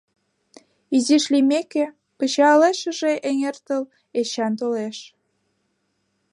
Изиш лиймеке, пычалешыже эҥертыл, Эчан толеш.